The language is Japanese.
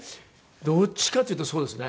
どっちかっていうとそうですね。